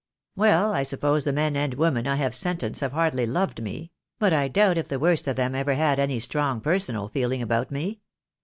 "Well, I suppose the men and women I have sen tenced have hardly loved me: but I doubt if the worst of them ever had any strong personal feeling about me.